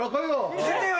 見せてよ！